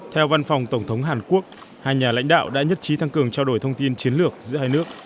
theo văn phòng tổng thống hàn quốc hai nhà lãnh đạo đã nhất trí thăng cường trao đổi thông tin chiến lược giữa hai nước